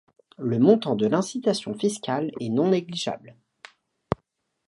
Le montant de l'incitation fiscale est non négligeable.